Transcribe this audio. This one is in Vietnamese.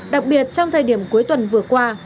đặc biệt trong thời điểm cuối tuần vừa qua